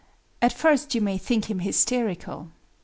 At first you may think him hysterical.